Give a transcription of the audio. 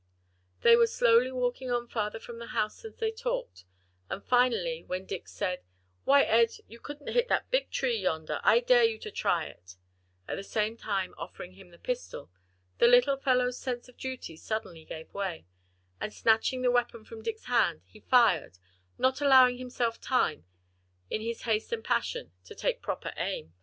They were slowly walking on farther from the house as they talked, and finally when Dick said, "why, Ed, you couldn't hit that big tree yonder, I dare you to try it," at the same time offering him the pistol, the little fellow's sense of duty suddenly gave way, and snatching the weapon from Dick's hand, he fired, not allowing himself time, in his haste and passion, to take proper aim.